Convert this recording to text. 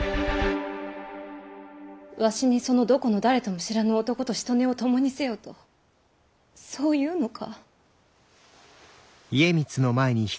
わしにそのどこの誰とも知らぬ男としとねを共にせよとそう言うのか？